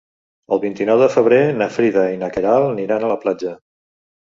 El vint-i-nou de febrer na Frida i na Queralt aniran a la platja.